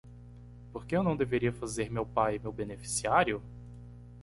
Por que eu não deveria fazer meu pai meu beneficiário?